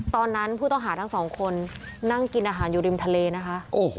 ตอนนั้นผู้ต้องหาทั้งสองคนนั่งกินอาหารอยู่ริมทะเลนะคะ